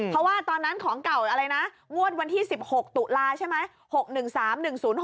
เพราะว่าตอนนั้นของเก่าอะไรนะงวดวันที่๑๖ตุลาใช่ไหม